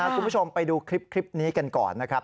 คุณผู้ชมไปดูคลิปนี้กันก่อนนะครับ